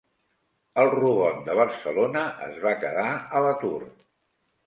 El robot de Barcelona es va quedar a l'atur.